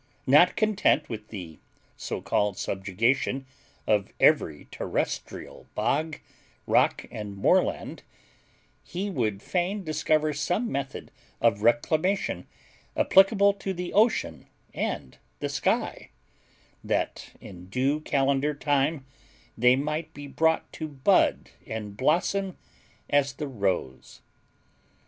Not content with the so called subjugation of every terrestrial bog, rock, and moorland, he would fain discover some method of reclamation applicable to the ocean and the sky, that in due calendar time they might be brought to bud and blossom as the rose.